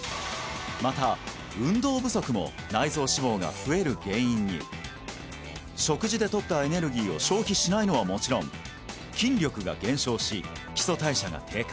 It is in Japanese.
また運動不足も内臓脂肪が増える原因に食事でとったエネルギーを消費しないのはもちろん筋力が減少し基礎代謝が低下